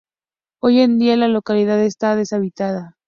Hoy en día la localidad está deshabitada.